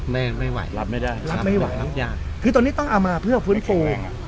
ไม่ไม่ไหวรับไม่ได้รับไม่ไหวรับยากคือตอนนี้ต้องเอามาเพื่อฟื้นฟูอ่ะ